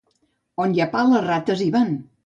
On hi ha pa, les rates hi van.